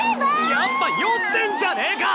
やっぱ酔ってんじゃねぇか！